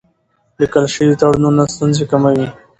لیکل شوي تړونونه ستونزې کموي.